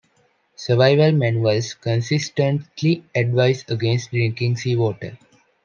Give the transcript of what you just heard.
Survival manuals consistently advise against drinking seawater.